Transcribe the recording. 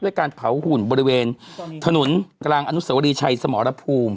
การเผาหุ่นบริเวณถนนกลางอนุสวรีชัยสมรภูมิ